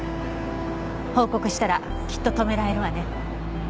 報告したらきっと止められるわね。